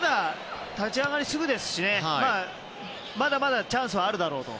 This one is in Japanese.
立ち上がりすぐですしまだまだチャンスはあるだろうと。